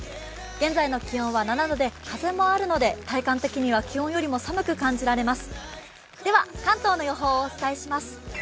現在の気温は７度で、風もあるので、体感的には気温よりも寒く感じられます。